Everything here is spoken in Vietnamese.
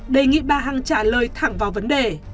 đề nghị bà hằng trả lời thẳng vào vấn đề